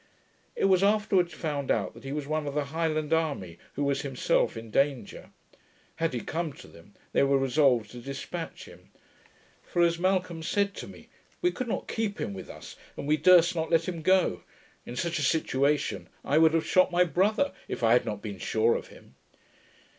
It was afterwards found out that he was one of the Highland army, who was himself in danger. Had he come to them, they were resolved to dispatch him; for, as Malcolm said to me, 'We could not keep him with us, and we durst not let him go. In such a situation, I would have shot my brother, if I had not been sure of him.'